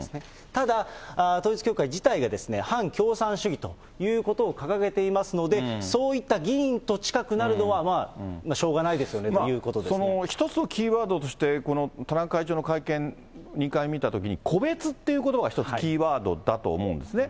ただ、統一教会自体が反共産主義ということを掲げていますので、そういった議員と近くなるのは、しょうがないですよねということその、１つのキーワードとして、田中会長の会見、２回見たときに、個別っていうことばが１つキーワードだと思うんですね。